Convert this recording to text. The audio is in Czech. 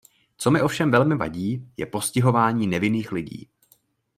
Co mi ovšem velmi vadí, je postihování nevinných lidí.